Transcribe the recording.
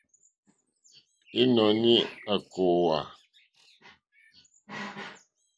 Ìnɔ̀ní à kòòwà.